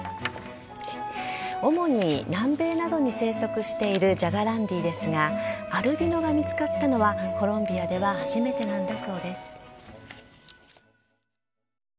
主に南米などに生息しているジャガランディですが、アルビノが見つかったのはコロンビアでは初めてなんだそうです。